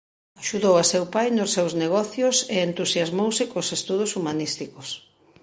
Axudou a seu pai nos seus negocios e entusiasmouse cos estudos humanísticos.